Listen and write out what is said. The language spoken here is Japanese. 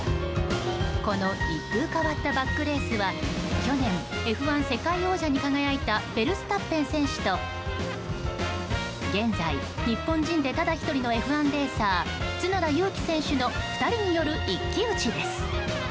この一風変わったバックレースは去年、Ｆ１世界王者に輝いたフェルスタッペン選手と現在、日本人でただ１人のＦ１レーサー角田裕毅選手の２人による一騎打ちです。